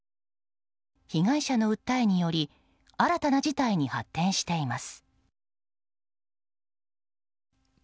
被害者の訴えにより新たな事態に発展しています。